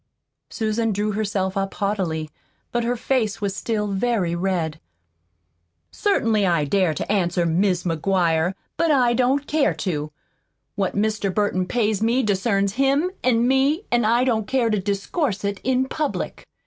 Susan drew herself up haughtily. But her face was still very red. "Certainly I dare to answer, Mis' McGuire, but I don't care to. What Mr. Burton pays me discerns him an' me an' I don't care to discourse it in public.